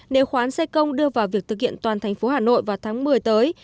nếu khoán xe công đưa vào việc thực hiện toàn thành phố hà nội vào tháng một mươi tới